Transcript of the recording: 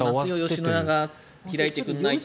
吉野家が開いてくれないと。